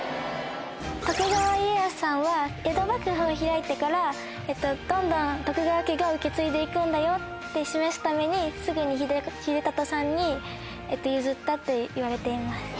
徳川家康さんは江戸幕府を開いてからどんどん徳川家が受け継いでいくんだよって示すためにすぐに秀忠さんに譲ったっていわれています。